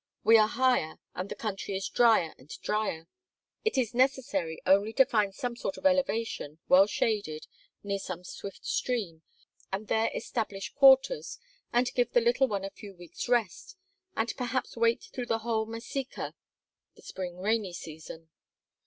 We are higher and the country is drier and drier. It is necessary only to find some sort of elevation, well shaded, near some swift stream, and there establish quarters and give the little one a few weeks' rest, and perhaps wait through the whole massica (the spring rainy season).